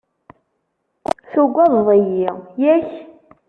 Tugadeḍ-iyi, yak?